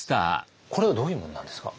これはどういうものなんですか？